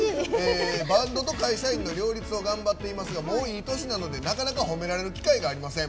「バンドと会社員の両立を頑張っていますがなかなか褒められることがありません。